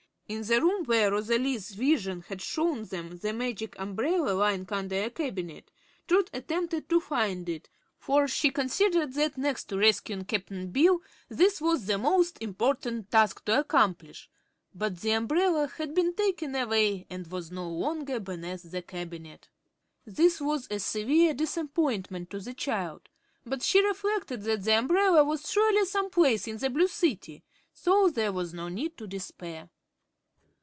In the room where Rosalie's vision had shown them the Magic Umbrella lying under a cabinet, Trot attempted to find it, for she considered that next to rescuing Cap'n Bill this was the most important task to accomplish; but the umbrella had been taken away and was no longer beneath the cabinet. This was a severe disappointment to the child, but she reflected that the umbrella was surely some place in the Blue City, so there was no need to despair.